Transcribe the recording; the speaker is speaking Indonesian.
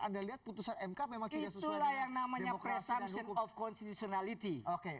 anda lihat putusan mk memang tidak sesuai yang namanya presamsi of constitutionality oke